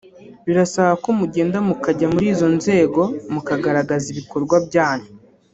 Birasaba ko mugenda mukajya muri izo nzego mukagaragaza ibikorwa byanyu